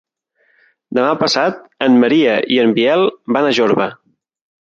Demà passat en Maria i en Biel van a Jorba.